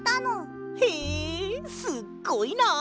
へえすっごいな！